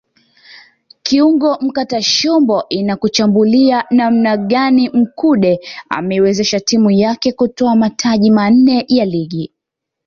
Kiungo mkatashombo inakuchambulia namna gani Mkude ameiwezesha timu yake kutwaa mataji manne ya Ligi